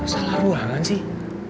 salah ruangan sih